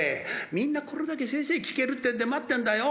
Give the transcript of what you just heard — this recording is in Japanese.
みんなこれだけ先生聴けるってんで待ってんだよ。